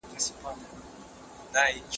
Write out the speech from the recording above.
هغه سړی چې ډېر پوسټونه کوي زما ورور دی.